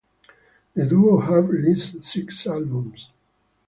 The duo have released six albums.